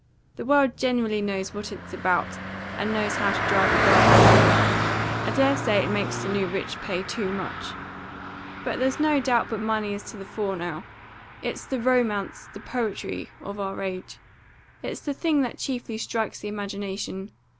The world generally knows what it's about, and knows how to drive a bargain. I dare say it makes the new rich pay too much. But there's no doubt but money is to the fore now. It is the romance, the poetry of our age. It's the thing that chiefly strikes the imagination.